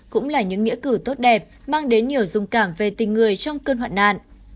cũng là những nghĩa cử tốt đẹp mang đến nhiều dung cảm về tình người trong cơn hoạn nạn